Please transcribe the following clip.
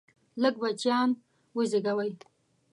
لږ بچیان وزیږوئ!